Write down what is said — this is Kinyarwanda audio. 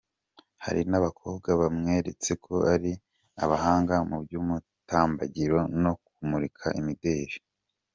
Hari n'abakobwa bamweretse ko ari abahanga mu by'umutambagiro no kumurika imideli.